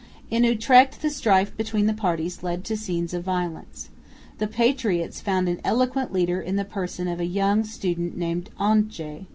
In Utrecht the strife between the parties led to scenes of violence. The "patriots" found an eloquent leader in the person of a young student named Ondaatje.